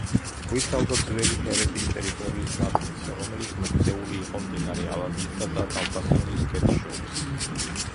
მოიცავდა ძველი ჰერეთის ტერიტორიის ნაწილს, რომელიც მოქცეული იყო მდინარე ალაზანსა და კავკასიონის ქედს შორის.